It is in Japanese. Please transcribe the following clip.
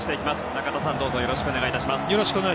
中田さん、どうぞよろしくお願いいたします。